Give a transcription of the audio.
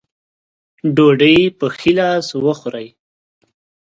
ډوډۍ پۀ ښي لاس وخورئ ـ